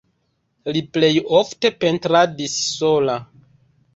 Li plej ofte pentradis sola.